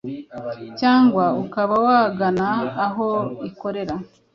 cyangwa ukaba wagana aho ikorera